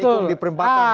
kan diperimpahkan gitu ya